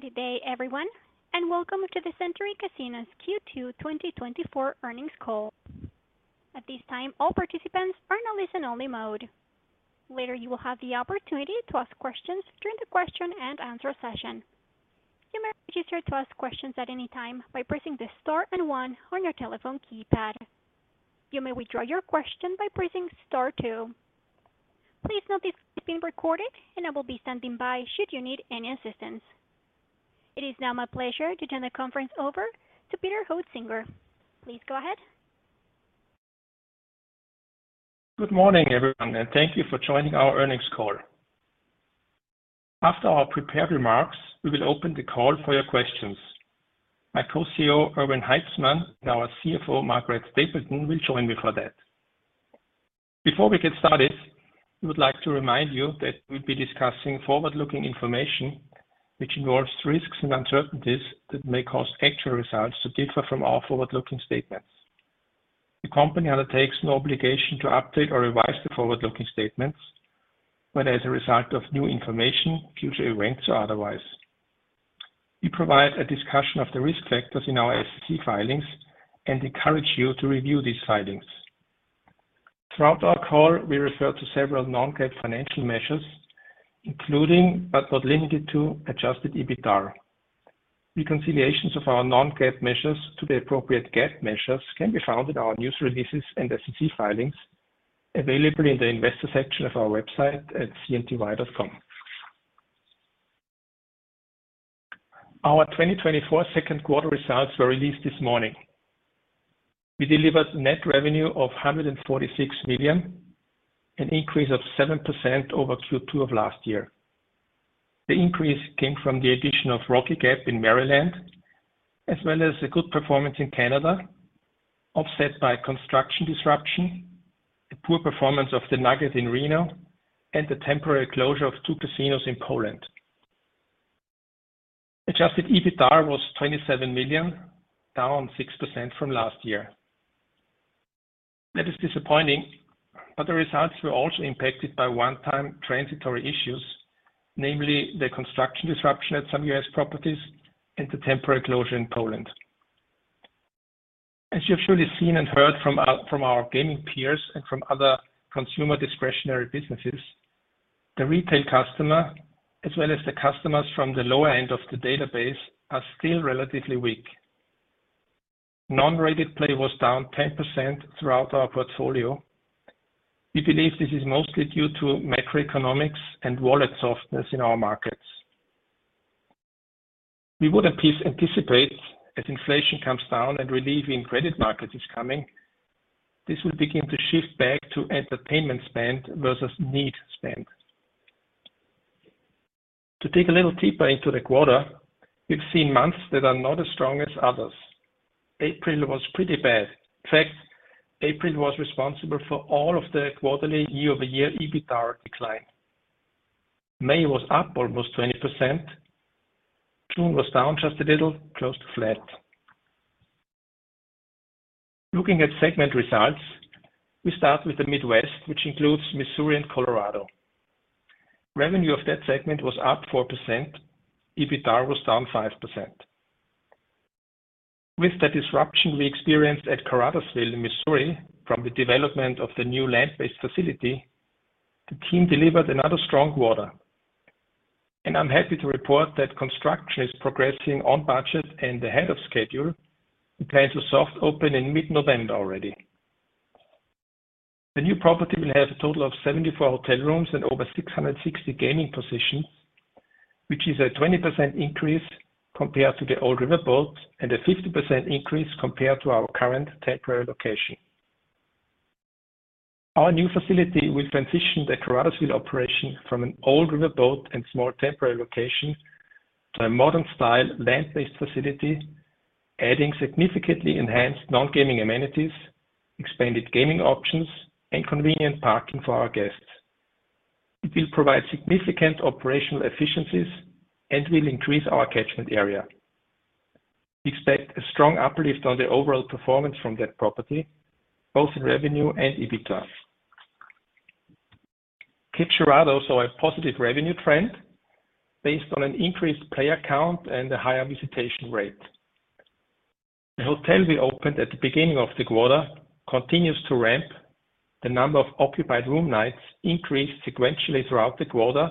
Good day, everyone, and welcome to the Century Casinos Q2 2024 earnings call. At this time, all participants are in a listen-only mode. Later, you will have the opportunity to ask questions during the question and answer session. You may register to ask questions at any time by pressing the Star and one on your telephone keypad. You may withdraw your question by pressing Star two. Please note this is being recorded and I will be standing by should you need any assistance. It is now my pleasure to turn the conference over to Peter Hoetzinger. Please go ahead. Good morning, everyone, and thank you for joining our earnings call. After our prepared remarks, we will open the call for your questions. My co-CEO, Erwin Haitzmann, and our CFO, Margaret Stapleton, will join me for that. Before we get started, we would like to remind you that we'll be discussing forward-looking information, which involves risks and uncertainties that may cause actual results to differ from our forward-looking statements. The company undertakes no obligation to update or revise the forward-looking statements, whether as a result of new information, future events, or otherwise. We provide a discussion of the risk factors in our SEC filings and encourage you to review these filings. Throughout our call, we refer to several Non-GAAP financial measures, including, but not limited to, Adjusted EBITDAR. Reconciliations of our non-GAAP measures to the appropriate GAAP measures can be found in our news releases and SEC filings, available in the investor section of our website at cnty.com. Our 2024 second quarter results were released this morning. We delivered net revenue of $146 million, an increase of 7% over Q2 of last year. The increase came from the addition of Rocky Gap in Maryland, as well as a good performance in Canada, offset by construction disruption, the poor performance of the Nugget in Reno, and the temporary closure of two casinos in Poland. Adjusted EBITDAR was $27 million, down 6% from last year. That is disappointing, but the results were also impacted by one-time transitory issues, namely the construction disruption at some U.S. properties and the temporary closure in Poland. As you've surely seen and heard from our gaming peers and from other consumer discretionary businesses, the retail customer, as well as the customers from the lower end of the database, are still relatively weak. Unrated play was down 10% throughout our portfolio. We believe this is mostly due to macroeconomics and wallet softness in our markets. We would anticipate as inflation comes down and relief in credit markets is coming, this will begin to shift back to entertainment spend versus need spend. To dig a little deeper into the quarter, we've seen months that are not as strong as others. April was pretty bad. In fact, April was responsible for all of the quarterly year-over-year EBITDAR decline. May was up almost 20%. June was down just a little, close to flat. Looking at segment results, we start with the Midwest, which includes Missouri and Colorado. Revenue of that segment was up 4%, EBITDAR was down 5%. With the disruption we experienced at Caruthersville in Missouri from the development of the new land-based facility, the team delivered another strong quarter. I'm happy to report that construction is progressing on budget and ahead of schedule, with plans to soft open in mid-November already. The new property will have a total of 74 hotel rooms and over 660 gaming positions, which is a 20% increase compared to the old riverboat and a 50% increase compared to our current temporary location. Our new facility will transition the Caruthersville operation from an old riverboat and small temporary location to a modern-style, land-based facility, adding significantly enhanced non-gaming amenities, expanded gaming options, and convenient parking for our guests. It will provide significant operational efficiencies and will increase our catchment area. We expect a strong uplift on the overall performance from that property, both in revenue and EBITDAR. Cape Girardeau saw a positive revenue trend based on an increased player count and a higher visitation rate. The hotel we opened at the beginning of the quarter continues to ramp. The number of occupied room nights increased sequentially throughout the quarter,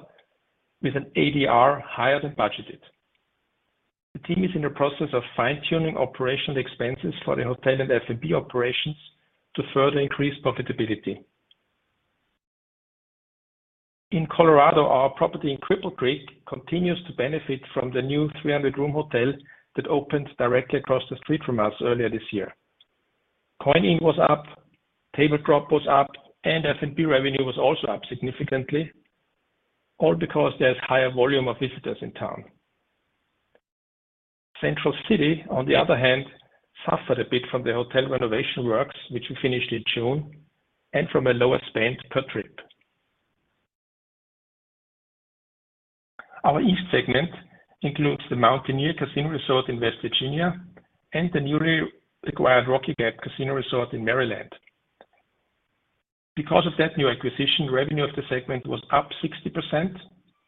with an ADR higher than budgeted. The team is in the process of fine-tuning operational expenses for the hotel and F&B operations to further increase profitability. In Colorado, our property in Cripple Creek continues to benefit from the new 300-room hotel that opened directly across the street from us earlier this year. Coin-in was up, table drop was up, and F&B revenue was also up significantly, all because there's higher volume of visitors in town. Central City, on the other hand, suffered a bit from the hotel renovation works, which we finished in June, and from a lower spend per trip. Our East segment includes the Mountaineer Casino Resort in West Virginia and the newly acquired Rocky Gap Casino Resort in Maryland. Because of that new acquisition, revenue of the segment was up 60%,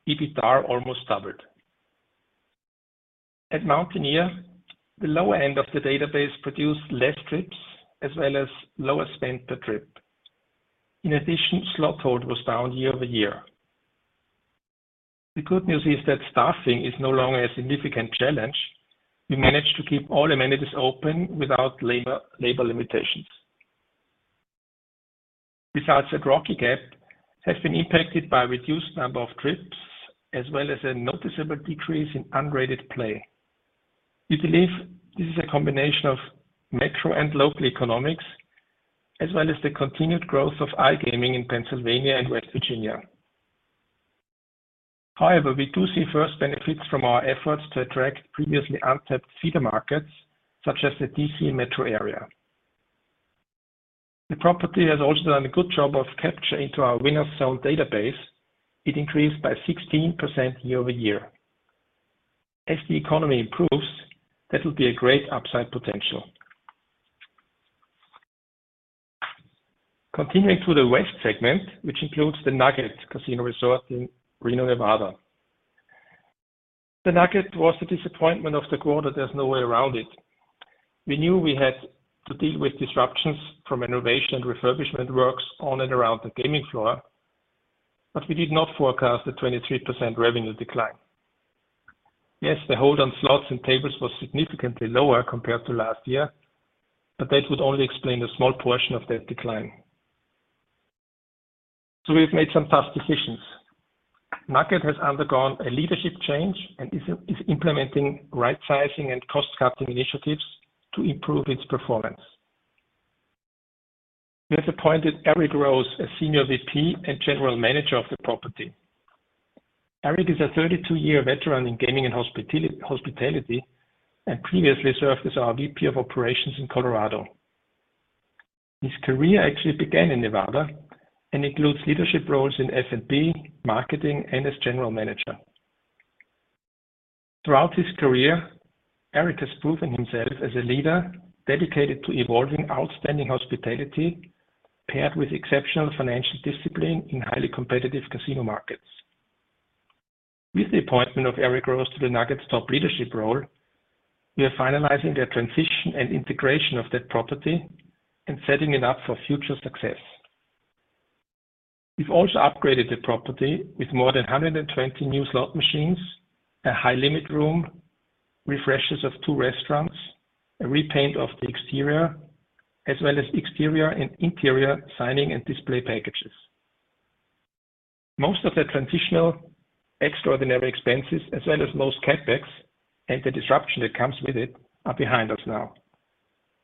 EBITDAR almost doubled. At Mountaineer, the lower end of the database produced less trips as well as lower spend per trip. In addition, slot hold was down year-over-year. The good news is that staffing is no longer a significant challenge. We managed to keep all amenities open without labor, labor limitations. Results at Rocky Gap have been impacted by reduced number of trips, as well as a noticeable decrease in unrated play. We believe this is a combination of metro and local economics, as well as the continued growth of iGaming in Pennsylvania and West Virginia. However, we do see first benefits from our efforts to attract previously untapped feeder markets, such as the D.C. metro area. The property has also done a good job of capturing into our Winners' Zone database. It increased by 16% year-over-year. As the economy improves, that will be a great upside potential. Continuing to the West segment, which includes the Nugget Casino Resort in Reno, Nevada. The Nugget was the disappointment of the quarter, there's no way around it. We knew we had to deal with disruptions from renovation and refurbishment works on and around the gaming floor, but we did not forecast a 23% revenue decline. Yes, the hold on slots and tables was significantly lower compared to last year, but that would only explain a small portion of that decline. So we've made some tough decisions. Nugget has undergone a leadership change and is implementing right-sizing and cost-cutting initiatives to improve its performance. We have appointed Eric Rose as Senior VP and General Manager of the property. Eric is a 32-year veteran in gaming and hospitality, and previously served as our VP of Operations in Colorado. His career actually began in Nevada and includes leadership roles in F&B, marketing, and as general manager. Throughout his career, Eric has proven himself as a leader, dedicated to evolving outstanding hospitality, paired with exceptional financial discipline in highly competitive casino markets. With the appointment of Eric Rose to the Nugget's top leadership role, we are finalizing their transition and integration of that property and setting it up for future success. We've also upgraded the property with more than 120 new slot machines, a high-limit room, refreshes of two restaurants, a repaint of the exterior, as well as exterior and interior signage and display packages. Most of the transitional extraordinary expenses, as well as most CapEx and the disruption that comes with it, are behind us now.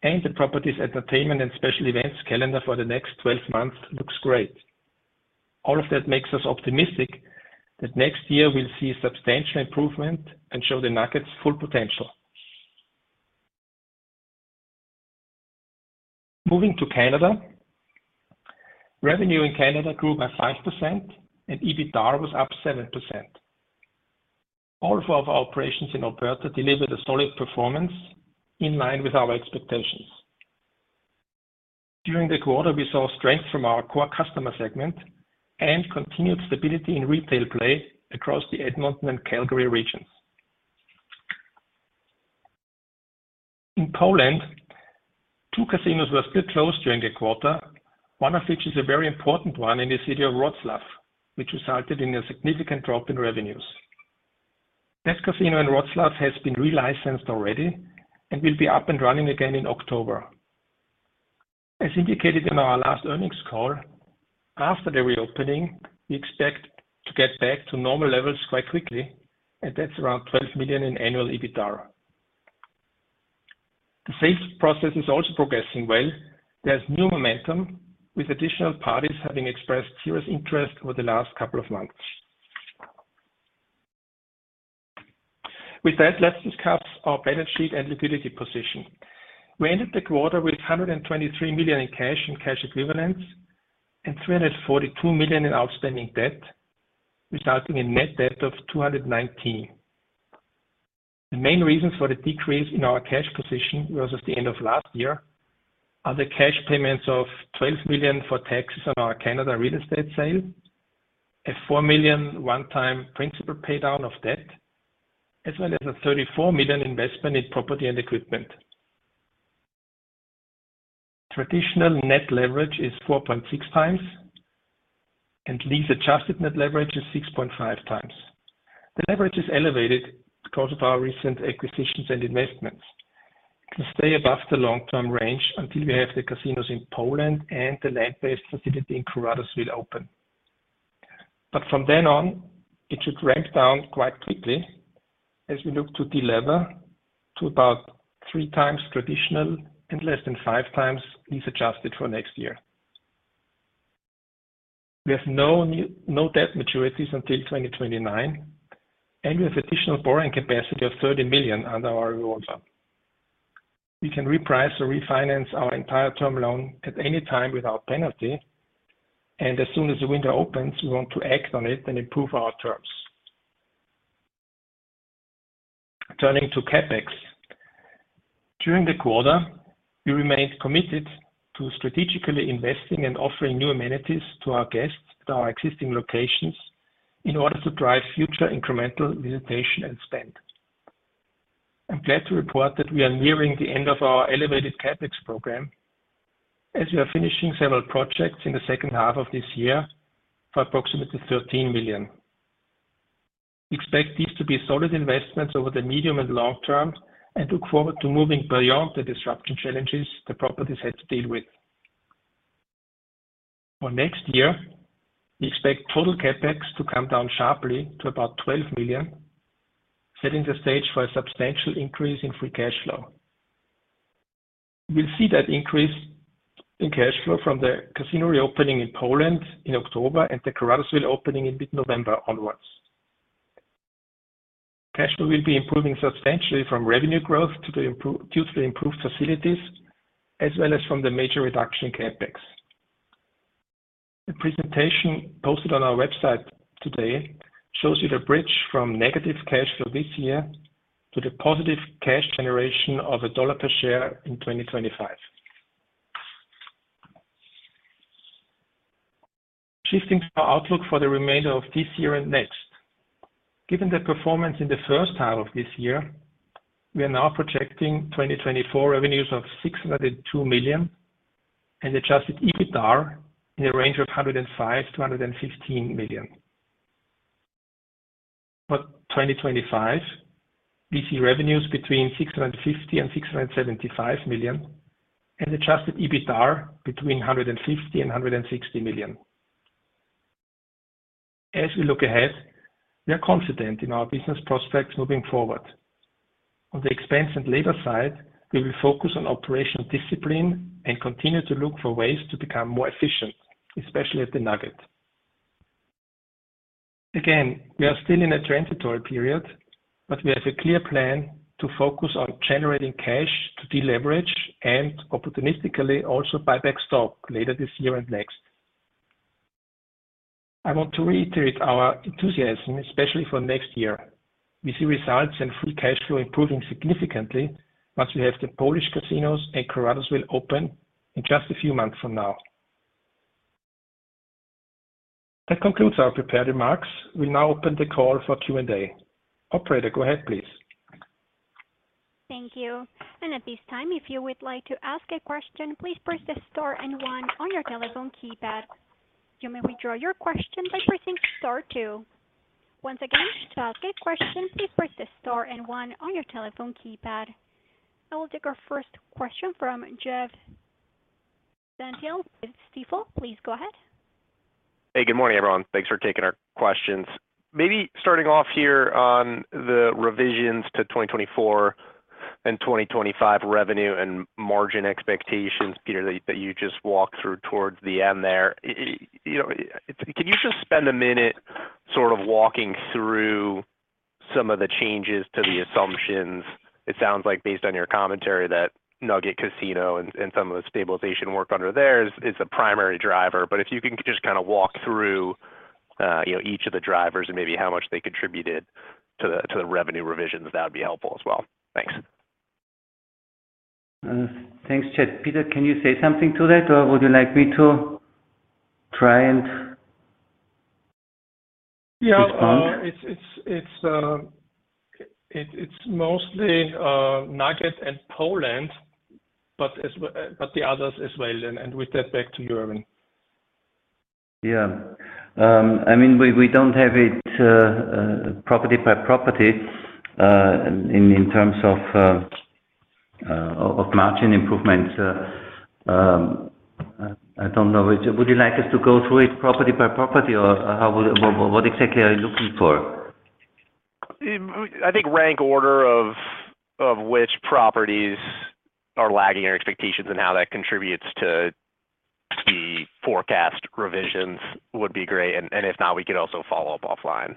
The property's entertainment and special events calendar for the next 12 months looks great. All of that makes us optimistic that next year we'll see substantial improvement and show the Nugget's full potential. Moving to Canada. Revenue in Canada grew by 5%, and EBITDAR was up 7%. All four of our operations in Alberta delivered a solid performance in line with our expectations. During the quarter, we saw strength from our core customer segment and continued stability in retail play across the Edmonton and Calgary regions. In Poland, two casinos were still closed during the quarter, one of which is a very important one in the city of Wrocław, which resulted in a significant drop in revenues. That casino in Wrocław has been re-licensed already, and will be up and running again in October. As indicated in our last earnings call, after the reopening, we expect to get back to normal levels quite quickly, and that's around $12 million in annual EBITDAR. The sales process is also progressing well. There's new momentum, with additional parties having expressed serious interest over the last couple of months. With that, let's discuss our balance sheet and liquidity position. We ended the quarter with $123 million in cash and cash equivalents, and $342 million in outstanding debt, resulting in net debt of $219 million. The main reasons for the decrease in our cash position versus the end of last year are the cash payments of $12 million for taxes on our Canada real estate sale, a $4 million one-time principal paydown of debt, as well as a $34 million investment in property and equipment. Traditional net leverage is 4.6x, and lease-adjusted net leverage is 6.5x. The leverage is elevated because of our recent acquisitions and investments. It will stay above the long-term range until we have the casinos in Poland and the land-based facility in Colorado still open. But from then on, it should ramp down quite quickly as we look to delever to about 3x traditional and less than 5x lease-adjusted for next year. We have no debt maturities until 2029, and we have additional borrowing capacity of $30 million under our revolver. We can reprice or refinance our entire term loan at any time without penalty, and as soon as the window opens, we want to act on it and improve our terms... Turning to CapEx. During the quarter, we remained committed to strategically investing and offering new amenities to our guests at our existing locations in order to drive future incremental visitation and spend. I'm glad to report that we are nearing the end of our elevated CapEx program, as we are finishing several projects in the second half of this year for approximately $13 million. We expect these to be solid investments over the medium and long term, and look forward to moving beyond the disruption challenges the properties had to deal with. For next year, we expect total CapEx to come down sharply to about $12 million, setting the stage for a substantial increase in free cash flow. We'll see that increase in cash flow from the casino reopening in Poland in October and the Caruthersville opening in mid-November onwards. Cash flow will be improving substantially from revenue growth due to the improved facilities, as well as from the major reduction in CapEx. The presentation posted on our website today shows you the bridge from negative cash flow this year to the positive cash generation of $1 per share in 2025. Shifting our outlook for the remainder of this year and next. Given the performance in the first half of this year, we are now projecting 2024 revenues of $602 million and Adjusted EBITDAR in a range of $105 million-$115 million. For 2025, we see revenues between $650 million and $675 million and Adjusted EBITDAR between $150 million and $160 million. As we look ahead, we are confident in our business prospects moving forward. On the expense and labor side, we will focus on operational discipline and continue to look for ways to become more efficient, especially at the Nugget. Again, we are still in a transitory period, but we have a clear plan to focus on generating cash to deleverage and opportunistically also buy back stock later this year and next. I want to reiterate our enthusiasm, especially for next year. We see results and free cash flow improving significantly once we have the Polish casinos and Caruthersville will open in just a few months from now. That concludes our prepared remarks. We'll now open the call for Q&A. Operator, go ahead, please. Thank you. At this time, if you would like to ask a question, please press star and one on your telephone keypad. You may withdraw your question by pressing star two. Once again, to ask a question, please press star and one on your telephone keypad. I will take our first question from Jeff Stantial with Stifel. Please go ahead. Hey, good morning, everyone. Thanks for taking our questions. Maybe starting off here on the revisions to 2024 and 2025 revenue and margin expectations, Peter, that you just walked through towards the end there. You know, can you just spend a minute sort of walking through some of the changes to the assumptions? It sounds like based on your commentary, that Nugget Casino and some of the stabilization work under there is a primary driver, but if you can just kind of walk through, you know, each of the drivers and maybe how much they contributed to the revenue revisions, that would be helpful as well. Thanks. Thanks, Jeff. Peter, can you say something to that, or would you like me to try and- Yeah, it's mostly Nugget and Poland, but as well, but the others as well, and with that back to you, Erwin. Yeah. I mean, we don't have it property by property, in terms of margin improvements. I don't know. Would you like us to go through it property by property, or how would- what exactly are you looking for? I think rank order of which properties are lagging our expectations and how that contributes to the forecast revisions would be great. If not, we could also follow up offline.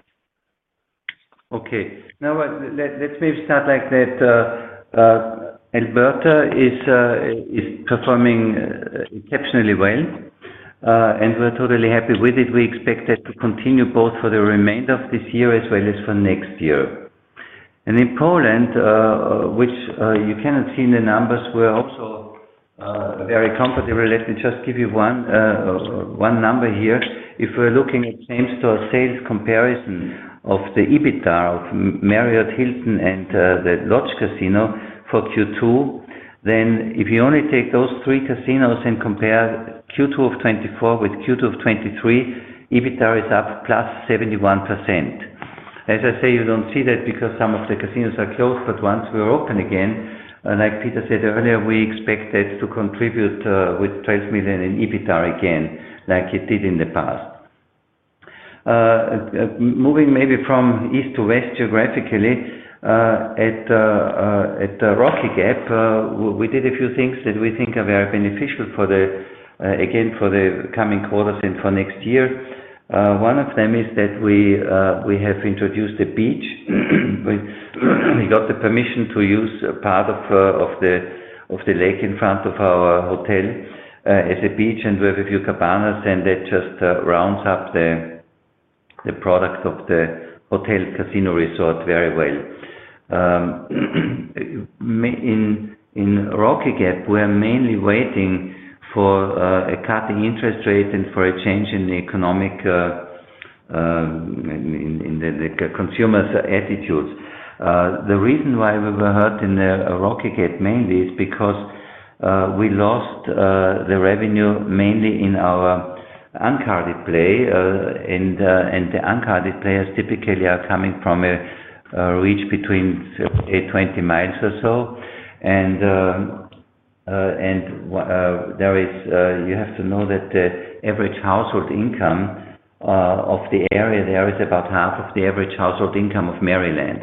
Okay. Now, let's maybe start like that, Alberta is performing exceptionally well, and we're totally happy with it. We expect it to continue both for the remainder of this year as well as for next year. In Poland, which you cannot see the numbers, we're also very comfortable. Let me just give you one number here. If we're looking at same-store sales comparison of the EBITDAR of Marriott, Hilton, and the Łódź Casino for Q2, then if you only take those three casinos and compare Q2 of 2024 with Q2 of 2023, EBITDAR is up +71%. As I say, you don't see that because some of the casinos are closed, but once we're open again, and like Peter said earlier, we expect it to contribute with $12 million in EBITDAR again, like it did in the past. Moving maybe from east to west, geographically, at Rocky Gap, we did a few things that we think are very beneficial for the, again, for the coming quarters and for next year. One of them is that we, we have introduced a beach. We got the permission to use a part of, of the, of the lake in front of our hotel, as a beach, and we have a few cabanas, and that just, rounds up the... ...The product of the hotel casino resort very well. In Rocky Gap, we are mainly waiting for a cutting interest rate and for a change in the economic in the consumer's attitudes. The reason why we were hurt in the Rocky Gap mainly is because we lost the revenue mainly in our uncarded play, and the uncarded players typically are coming from a reach between 20 miles or so. And there is, you have to know that the average household income of the area there is about half of the average household income of Maryland.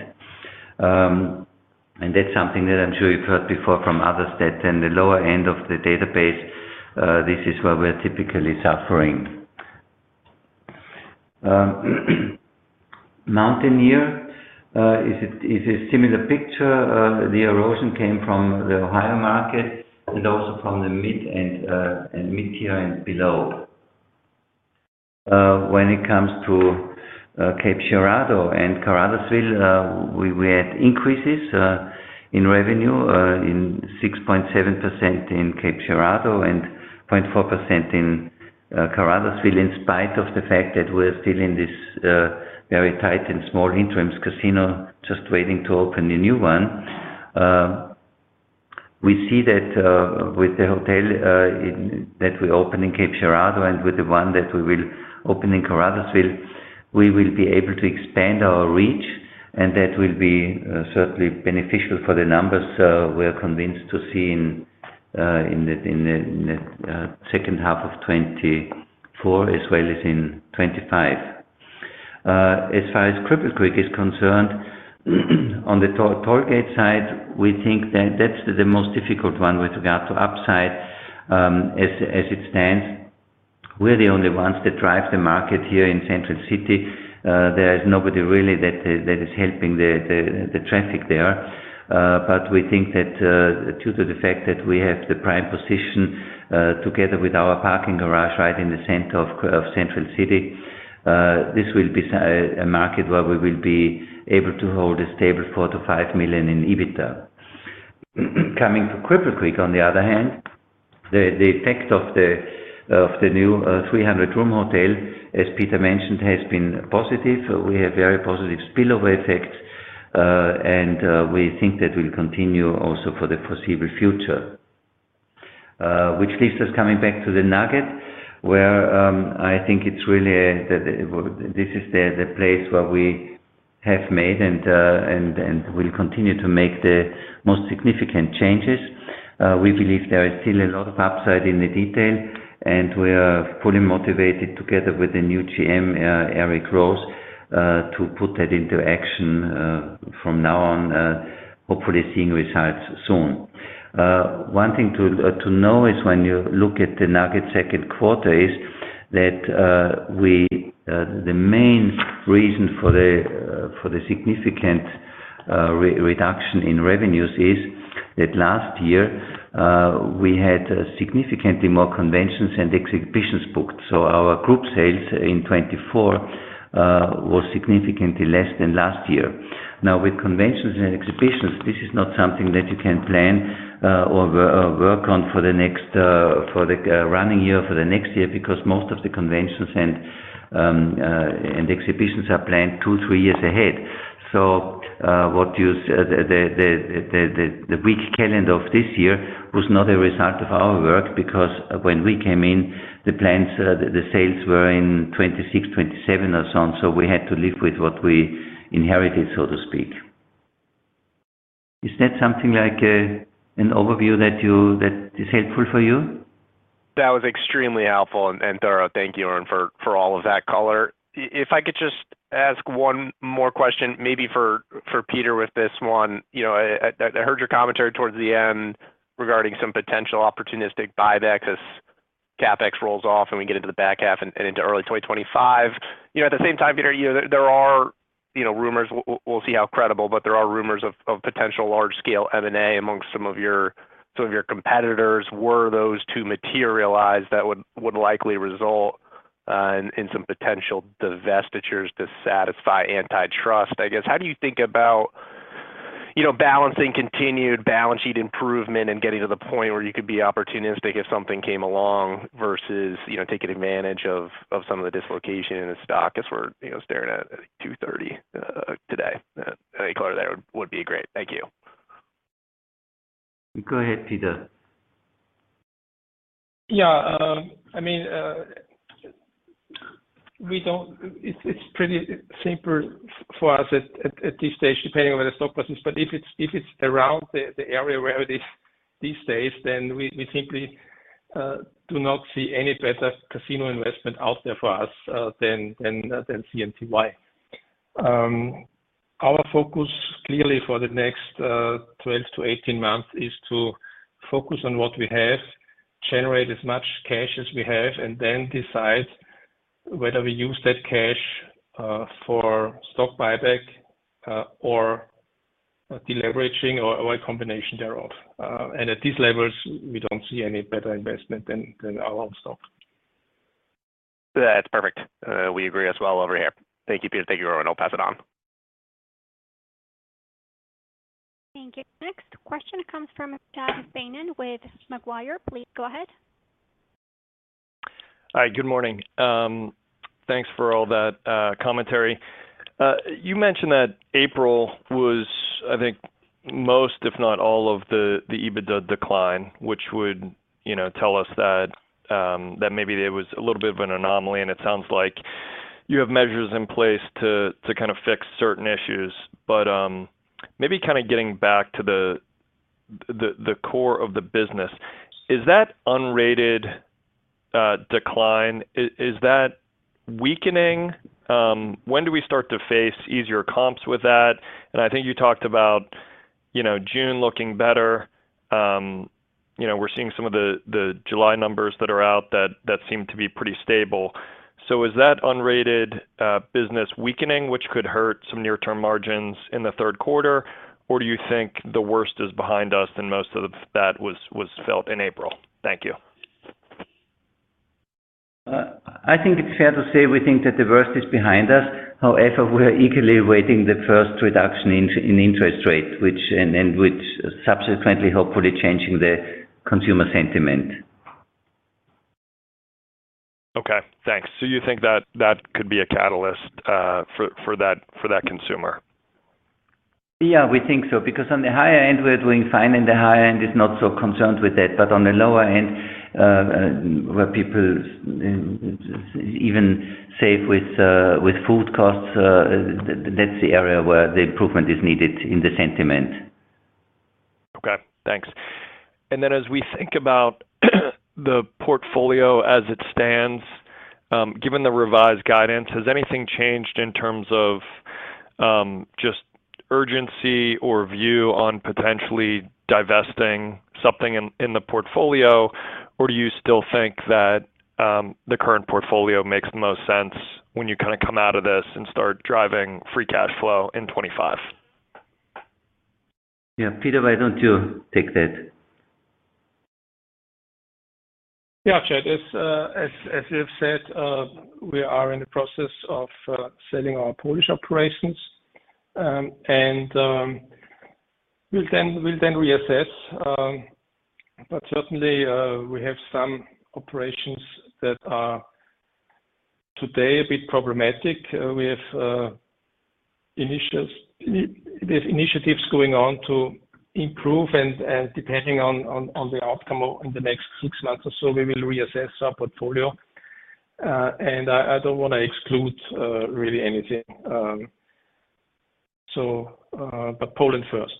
And that's something that I'm sure you've heard before from others, that in the lower end of the database this is where we're typically suffering. Mountaineer is a similar picture. The erosion came from the Ohio market and also from the mid-end and mid-tier and below. When it comes to Cape Girardeau and Caruthersville, we had increases in revenue, 6.7% in Cape Girardeau and 0.4% in Caruthersville, in spite of the fact that we're still in this very tight and small interim casino, just waiting to open the new one. We see that with the hotel that we open in Cape Girardeau and with the one that we will open in Caruthersville, we will be able to expand our reach, and that will be certainly beneficial for the numbers we are convinced to see in the second half of 2024 as well as in 2025. As far as Cripple Creek is concerned, on the top line side, we think that that's the most difficult one with regard to upside. As it stands, we're the only ones that drive the market here in Central City. There is nobody really that is helping the traffic there. But we think that, due to the fact that we have the prime position, together with our parking garage right in the center of Central City, this will be a market where we will be able to hold a stable $4 million-$5 million in EBITDA. Coming to Cripple Creek, on the other hand, the effect of the new 300-room hotel, as Peter mentioned, has been positive. We have very positive spillover effect, and we think that will continue also for the foreseeable future. Which leaves us coming back to the Nugget, where I think it's really this is the place where we have made and will continue to make the most significant changes. We believe there is still a lot of upside in the detail, and we are fully motivated together with the new GM, Eric Rose, to put that into action, from now on, hopefully seeing results soon. One thing to know is when you look at the Nugget second quarter, is that, we, the main reason for the significant reduction in revenues is that last year, we had significantly more conventions and exhibitions booked. So our group sales in 2024 was significantly less than last year. Now, with conventions and exhibitions, this is not something that you can plan, or work on for the next year, because most of the conventions and exhibitions are planned two, three years ahead. So, what you, the weak calendar of this year was not a result of our work, because when we came in, the plans, the sales were in 2026-2027 or so on. So we had to live with what we inherited, so to speak. Is that something like, an overview that you-that is helpful for you? That was extremely helpful and thorough. Thank you, Erwin, for all of that color. If I could just ask one more question, maybe for Peter with this one. You know, I heard your commentary towards the end regarding some potential opportunistic buyback as CapEx rolls off and we get into the back half and into early 2025. You know, at the same time, Peter, you know, there are rumors, we'll see how credible, but there are rumors of potential large-scale M&A amongst some of your competitors. Were those to materialize, that would likely result in some potential divestitures to satisfy antitrust. I guess, how do you think about, you know, balancing continued balance sheet improvement and getting to the point where you could be opportunistic if something came along versus, you know, taking advantage of some of the dislocation in the stock, as we're, you know, staring at $2.30 today? Any color there would be great. Thank you. Go ahead, Peter. I mean, it's pretty simple for us at this stage, depending on where the stock price is, but if it's around the area where it is these days, then we simply do not see any better casino investment out there for us than CNTY. Our focus clearly for the next 12-18 months is to focus on what we have, generate as much cash as we have, and then decide whether we use that cash for stock buyback or de-leveraging or a combination thereof. And at these levels, we don't see any better investment than our own stock. That's perfect. We agree as well over here. Thank you, Peter. Thank you, Erwin. I'll pass it on. Thank you. Next question comes from, Chad Beynon with Macquarie. Please go ahead. Hi, good morning. Thanks for all that commentary. You mentioned that April was, I think, most, if not all, of the EBITDA decline, which would, you know, tell us that maybe there was a little bit of an anomaly, and it sounds like you have measures in place to kind of fix certain issues. But maybe kind of getting back to the core of the business, is that unrated decline weakening? When do we start to face easier comps with that? And I think you talked about, you know, June looking better. You know, we're seeing some of the July numbers that are out that seem to be pretty stable. Is that unrated business weakening, which could hurt some near-term margins in the third quarter, or do you think the worst is behind us and most of that was felt in April? Thank you. I think it's fair to say we think that the worst is behind us. However, we are eagerly awaiting the first reduction in interest rate, which subsequently, hopefully, changing the consumer sentiment. Okay, thanks. So you think that that could be a catalyst for that consumer? Yeah, we think so, because on the higher end, we're doing fine, and the higher end is not so concerned with that. But on the lower end, where people even save with food costs, that's the area where the improvement is needed in the sentiment. Okay, thanks. And then as we think about the portfolio as it stands, given the revised guidance, has anything changed in terms of just urgency or view on potentially divesting something in the portfolio? Or do you still think that the current portfolio makes the most sense when you kinda come out of this and start driving free cash flow in 2025? Yeah, Peter, why don't you take that? Yeah, Chad, as you've said, we are in the process of selling our Polish operations, and we'll then reassess. But certainly, we have some operations that are today a bit problematic. We have initiatives going on to improve, and depending on the outcome in the next six months or so, we will reassess our portfolio. And I don't want to exclude really anything, so, but Poland first.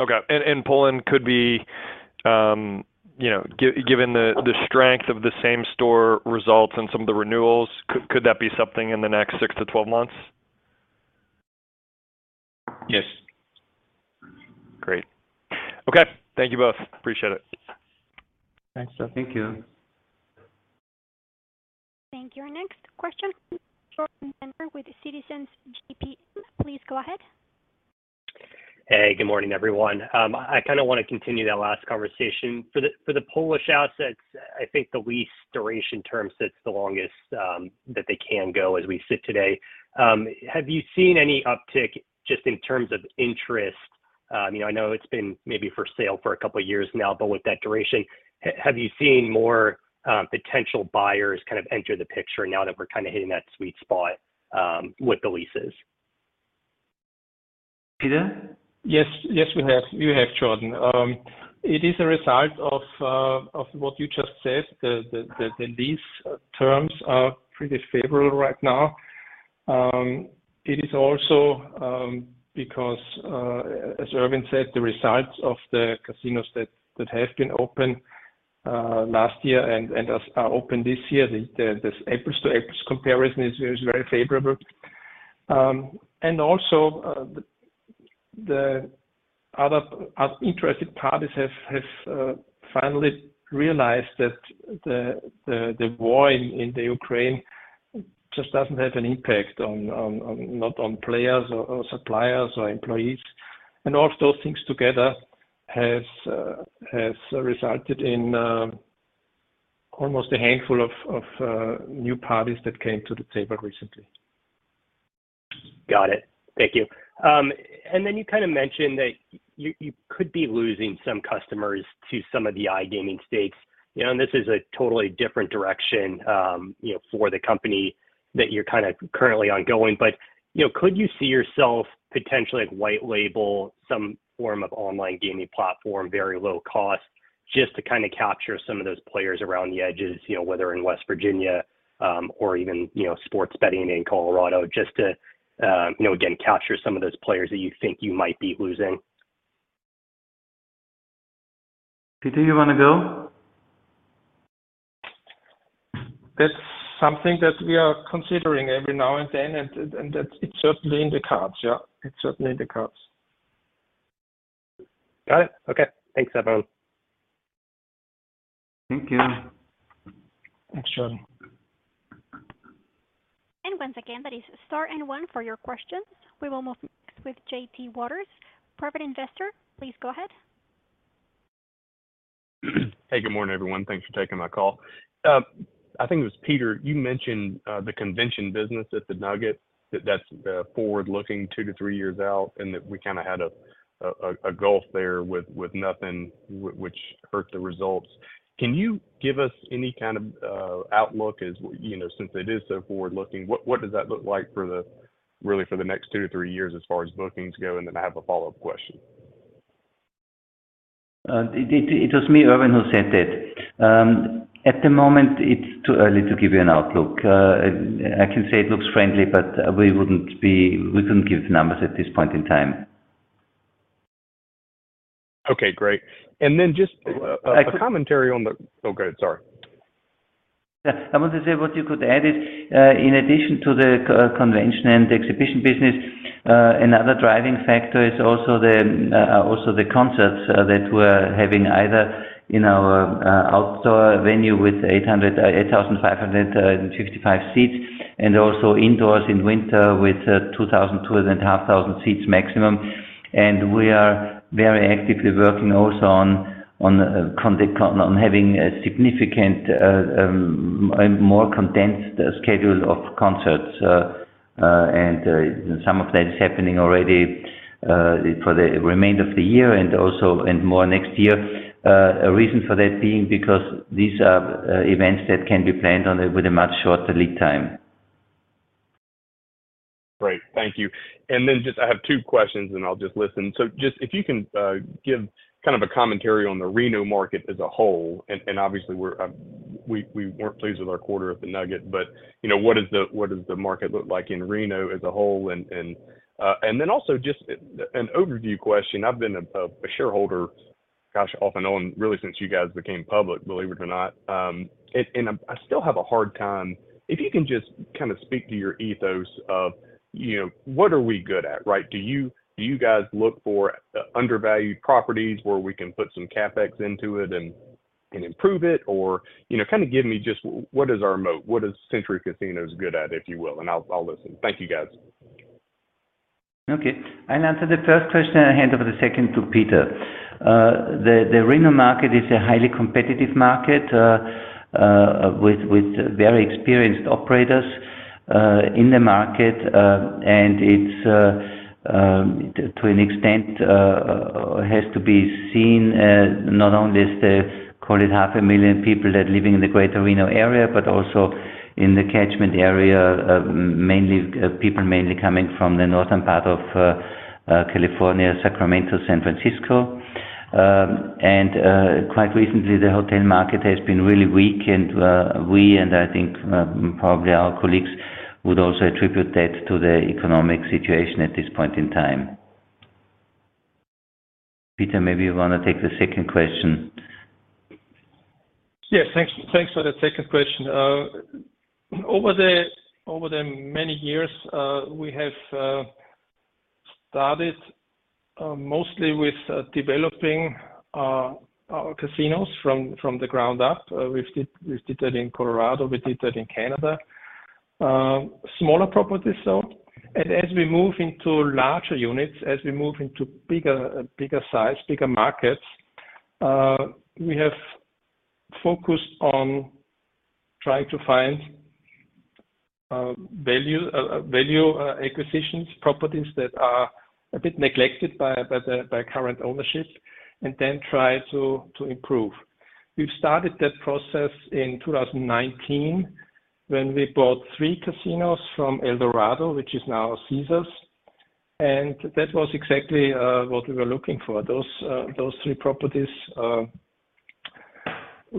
Okay. Poland could be, you know, given the strength of the same store results and some of the renewals, could that be something in the next 6-12 months? Yes. Great. Okay. Thank you both. Appreciate it. Thank you. Thank you. Our next question, Jordan Bender, with Citizens JMP. Please go ahead. Hey, good morning, everyone. I kinda wanna continue that last conversation. For the Polish assets, I think the lease duration term sits the longest that they can go as we sit today. Have you seen any uptick just in terms of interest? You know, I know it's been maybe for sale for a couple of years now, but with that duration, have you seen more potential buyers kind of enter the picture now that we're kinda hitting that sweet spot with the leases? Peter? Yes. Yes, we have. We have, Jordan. It is a result of what you just said, the lease terms are pretty favorable right now. It is also, because, as Erwin said, the results of the casinos that have been open last year and as are open this year, this April to April comparison is very favorable. And also, the other interested parties have finally realized that the war in the Ukraine just doesn't have an impact on, not on players or suppliers or employees. And all of those things together has resulted in almost a handful of new parties that came to the table recently. Got it. Thank you. And then you kind of mentioned that you, you could be losing some customers to some of the iGaming states. You know, and this is a totally different direction, you know, for the company that you're kind of currently ongoing. But, you know, could you see yourself potentially like white label, some form of online gaming platform, very low cost, just to kind of capture some of those players around the edges, you know, whether in West Virginia, or even, you know, sports betting in Colorado, just to, you know, again, capture some of those players that you think you might be losing? Peter, you want to go? That's something that we are considering every now and then, and, and that, it's certainly in the cards, yeah. It's certainly in the cards. Got it. Okay. Thanks, everyone. Thank you. Thanks, Jordan.... And once again, that is star and one for your questions. We will move next with J.P. Waters, Private Investor. Please go ahead. Hey, good morning, everyone. Thanks for taking my call. I think it was Peter, you mentioned the convention business at the Nugget, that's forward-looking 2-3 years out, and that we kinda had a gulf there with nothing, which hurt the results. Can you give us any kind of outlook as, you know, since it is so forward-looking, what does that look like for the really, for the next 2-3 years as far as bookings go? And then I have a follow-up question. It was me, Erwin, who said that. At the moment, it's too early to give you an outlook. I can say it looks friendly, but we couldn't give the numbers at this point in time. Okay, great. And then just, Oh, go ahead. Sorry. Yeah. I want to say what you could add is, in addition to the convention and exhibition business, another driving factor is also the concerts that we're having either in our outdoor venue with 8,555 seats, and also indoors in winter, with 2,000 to 2,500 seats maximum. And we are very actively working also on having a significant, a more condensed schedule of concerts. And some of that is happening already for the remainder of the year and also more next year. A reason for that being because these are events that can be planned with a much shorter lead time. Great. Thank you. And then just I have two questions, and I'll just listen. So just, if you can, give kind of a commentary on the Reno market as a whole, and obviously, we weren't pleased with our quarter at the Nugget, but, you know, what does the market look like in Reno as a whole? And then also just an overview question. I've been a shareholder, gosh, off and on, really, since you guys became public, believe it or not. And I still have a hard time... If you can just kind of speak to your ethos of, you know, what are we good at, right? Do you guys look for undervalued properties, where we can put some CapEx into it and improve it? Or, you know, kind of give me just what is our moat, what is Century Casinos good at, if you will, and I'll, I'll listen. Thank you, guys. Okay. I'll answer the first question, and I hand over the second to Peter. The Reno market is a highly competitive market with very experienced operators in the market. And it's to an extent has to be seen not only as the call it half a million people that living in the Greater Reno area, but also in the catchment area mainly people mainly coming from the northern part of California, Sacramento, San Francisco. And quite recently, the hotel market has been really weak, and we and I think probably our colleagues would also attribute that to the economic situation at this point in time. Peter, maybe you want to take the second question. Yes, thanks, thanks for the second question. Over the many years, we have started mostly with developing our casinos from the ground up. We've did that in Colorado, we did that in Canada. Smaller properties, though. And as we move into larger units, as we move into bigger size, bigger markets, we have focused on trying to find value acquisitions, properties that are a bit neglected by the current ownership, and then try to improve. We've started that process in 2019, when we bought three casinos from Eldorado, which is now Caesars, and that was exactly what we were looking for. Those three properties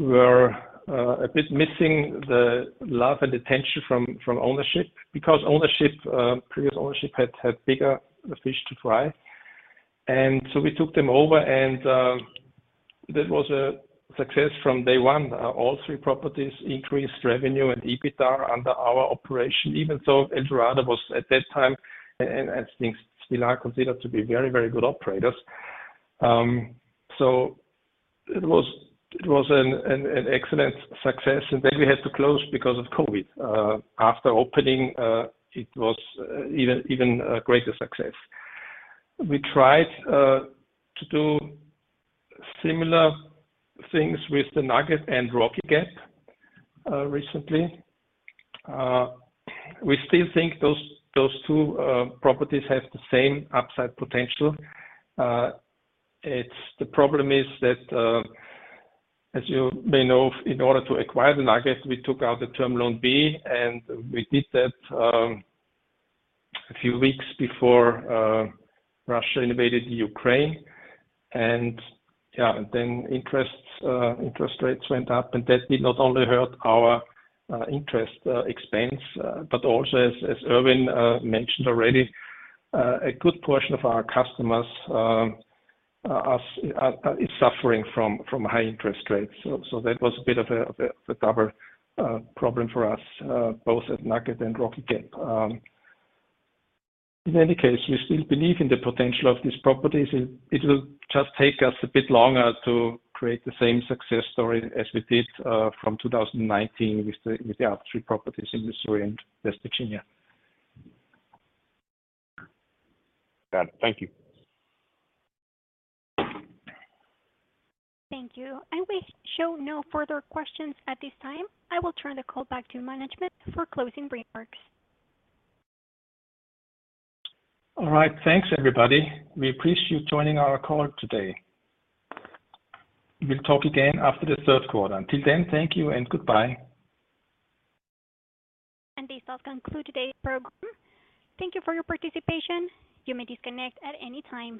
were a bit missing the love and attention from ownership because ownership, previous ownership had bigger fish to fry. And so we took them over, and that was a success from day one. All three properties increased revenue and EBITDA under our operation, even though Eldorado was, at that time, and I think still are considered to be very, very good operators. So it was an excellent success. And then we had to close because of COVID. After opening, it was even a greater success. We tried to do similar things with the Nugget and Rocky Gap recently. We still think those two properties have the same upside potential. It's the problem is that, as you may know, in order to acquire the Nugget, we took out the Term Loan B, and we did that a few weeks before Russia invaded Ukraine. And, yeah, and then interest rates went up, and that did not only hurt our interest expense, but also, as Erwin mentioned already, a good portion of our customers are suffering from high interest rates. So that was a bit of a double problem for us, both at Nugget and Rocky Gap. In any case, we still believe in the potential of these properties. It will just take us a bit longer to create the same success story as we did from 2019 with the other three properties in Missouri and West Virginia. Got it. Thank you. Thank you. We show no further questions at this time. I will turn the call back to management for closing remarks. All right. Thanks, everybody. We appreciate you joining our call today. We'll talk again after the third quarter. Until then, thank you and goodbye. This does conclude today's program. Thank you for your participation. You may disconnect at any time.